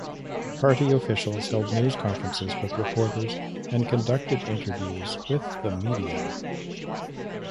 Party officials held news conferences with reporters and conducted interviews with the media.